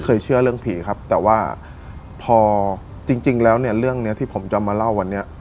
เชื่อเรื่องผีครับแต่ว่าพอจริงแล้วเนี่ยเรื่องเนี้ยที่ผมจะมาเล่าวันนี้